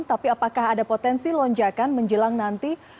tapi apakah ada potensi lonjakan menjelang nanti